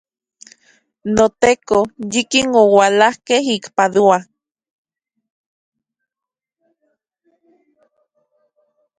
NoTeko, yikin oualakej ik Padua.